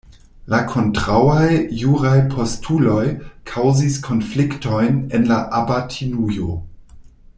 La kontraŭaj juraj postuloj kaŭzis konfliktojn en la abatinujo.